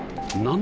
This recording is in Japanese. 何？